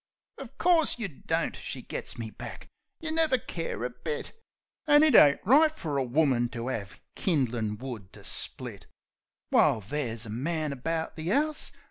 "Uv course you don't!" she gits me back. "You never care a bit! An' it ain't right fer a woman to 'ave kin'lin' wood to split; While there's a man about the 'ouse!"